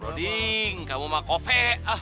broding kamu mah kope